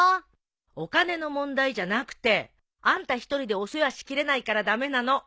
お金の問題じゃなくてあんた１人でお世話しきれないから駄目なの。